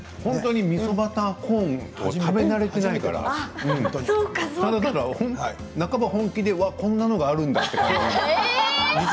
みそバターコーンをあまり食べ慣れていないから半ば本気でこんなものがあるんだと。